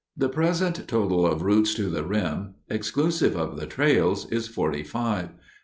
The present total of routes to the rim, exclusive of the trails, is forty five.